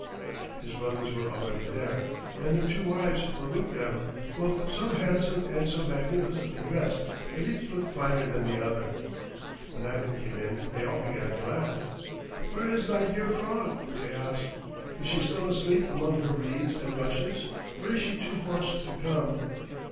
His brothers were already there, and their two wives were with them, both so handsome and so magnificently dressed that each looked finer than the other. When Ivan came in they all began to laugh. "Where is thy dear frog?" they asked. "Is she still asleep among her reeds and rushes, or is she too hoarse to come?"